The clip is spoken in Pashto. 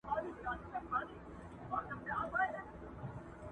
چي په ژوند کي یو څه غواړې او خالق یې په لاس درکي،